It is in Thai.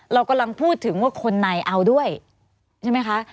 เรากำลังพูดถึงว่าคนในเอาด้วยใช่ไหมคะ